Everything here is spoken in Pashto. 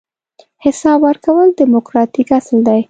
حساب ورکول دیموکراتیک اصل دی.